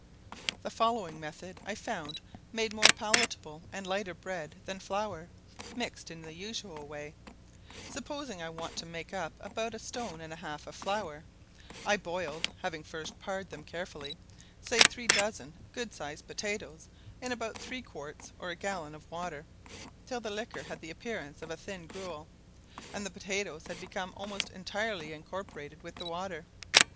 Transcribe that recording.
The following method I found made more palatable and lighter bread than flour, mixed in the usual way: Supposing I wanted to make up about a stone and half of flour, I boiled (having first pared them carefully) say three dozen good sized potatoes in about three quarts or a gallon of water, till the liquor had the appearance of a thin gruel, and the potatoes had become almost entirely incorporated with the water.